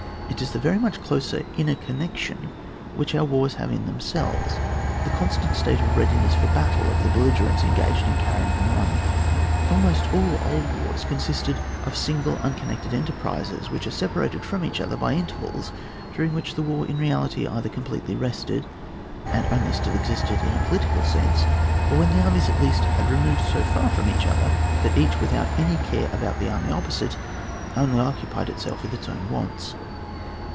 It is the very much closer inner connection which our wars have in themselves, the constant state of readiness for battle of the belli gerents engaged in carrying them on. Almost all old wars consist of single unconnected enterprises, which are sepa rated from each odier by intervals during which the war in reality either completely rested, and only still existed in a political sense, or when the armies at least had re moved so far from each other that each, without any care about the army opposite, only occupied itself with its ovm wants.